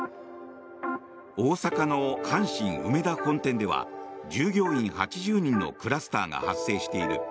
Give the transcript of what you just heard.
大阪の阪神梅田本店では従業員８０人のクラスターが発生している。